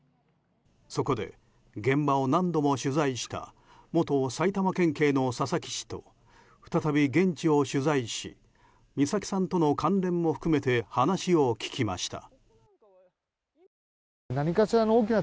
そこで現場を何度も取材した元埼玉県警の佐々木氏と再び現地を取材し美咲さんとの関連も含めて話を聞きました。